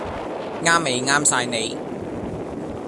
啱味啱晒你